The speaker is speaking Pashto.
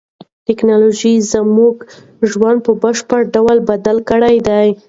تکنالوژي زموږ ژوند په بشپړ ډول بدل کړی دی.